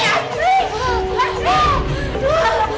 ibu bahkan mudah